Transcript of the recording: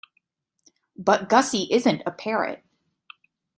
But Gussie isn't a parrot.